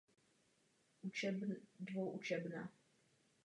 Od šesti let je jeho jediným trenérem Oldřich Otava.